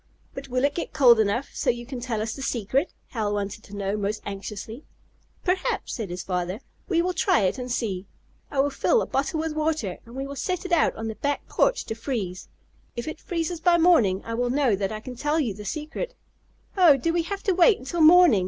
"But will it get cold enough so you can tell us the secret?" Hal wanted to know, most anxiously. "Perhaps," said his father. "We will try it and see. I will fill a bottle with water, and we will set it out on the back porch to freeze. If it freezes by morning I will know that I can tell you the secret." "Oh, do we have to wait until morning?"